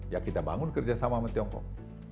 ya kita bangun kerjasama sama tiongkok